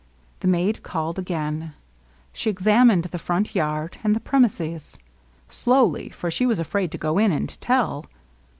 The maid called again; she examined the front yard and the pre mises^ — slowly^ for she was afraid to go in and tell.